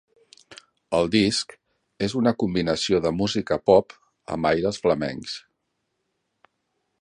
El disc és una combinació de música pop amb aires flamencs.